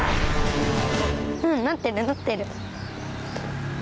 うんなってるなってる。